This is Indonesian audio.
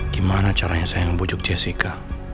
gimana caranya saya membujuk jessica